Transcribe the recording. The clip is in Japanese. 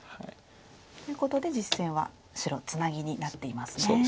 ということで実戦は白ツナギになっていますね。